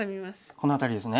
この辺りですね。